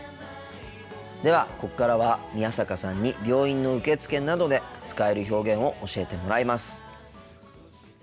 ではここからは宮坂さんに病院の受付などで使える表現を教えてもらいます。